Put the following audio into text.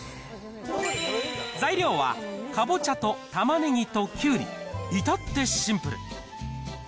材料はかぼちゃとたまねぎときゅうり、至ってシンプル。